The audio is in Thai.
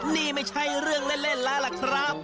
นี่ไม่ใช่เรื่องเล่นแล้วล่ะครับ